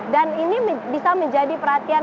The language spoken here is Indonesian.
dan ini bisa menjadi perhatian